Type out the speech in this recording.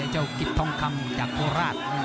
เจ้ากิ๊ดทองคำจากโทราช